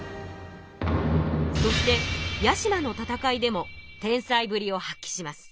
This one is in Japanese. そして屋島の戦いでも天才ぶりを発揮します。